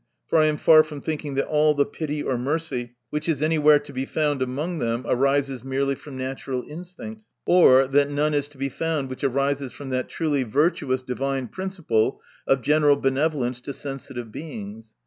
For 1 am far from thinking, that all the pity or mercy which is anywhere to be found among them, arises merely from natural instinct, or, that none* is to be found, which arises from that truly virtuous divine principle of general benevolence to sensitive Beings.